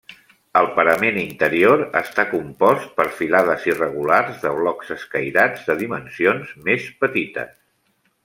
El parament interior està compost per filades irregulars de blocs escairats de dimensions més petites.